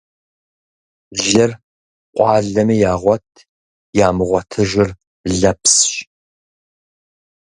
Лыр къуалэми ягъуэт, ямыгъуэтыжыр лэпсщ.